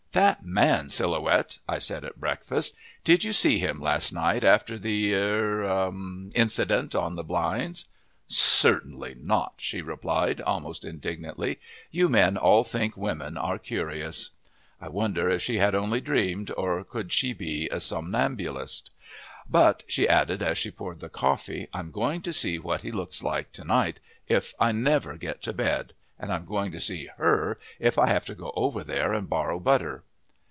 "That Man Silhouette," I said at breakfast; "did you see him last night after the er incident on the blinds?" "Certainly not!" she replied, almost indignantly. "You men all think women are curious." I wondered if she had only dreamed, or could she be a somnambulist! "But," she added, as she poured the coffee, "I'm going to see what he looks like to night, if I never get to bed; and I'm going to see her if I have to go over there and borrow butter!"